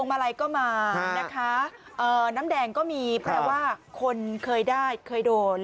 มาลัยก็มานะคะน้ำแดงก็มีแปลว่าคนเคยได้เคยโดน